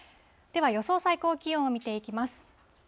では予想最高気温を見ていきます。